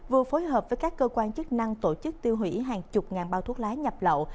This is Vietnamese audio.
vừa phối hợp với các cơ quan chức năng tổ chức tiêu hủy hàng chục ngàn bao thuốc lá nhập lậu